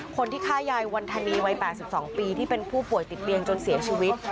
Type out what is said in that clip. คนที่ฆ่ายายวันธนีวัย๘๒ปีที่เป็นผู้ป่วยติดเตียงจนเสียชีวิต